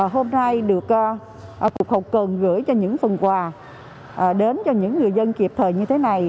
hôm nay được cục hậu cần gửi cho những phần quà đến cho những người dân kịp thời như thế này